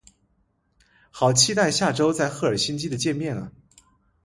好期待下周在赫尔辛基的见面啊